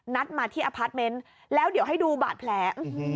นัดมาที่อพาร์ทเมนต์แล้วเดี๋ยวให้ดูบาดแผล